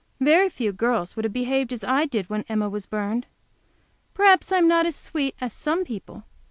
Very few girls would have behaved as I did when Emma was burned. Perhaps I am not as sweet as some people.